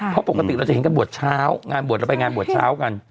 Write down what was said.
เพราะปกติเราจะเห็นกันบวชเช้างานบวชเราไปงานบวชเช้ากัน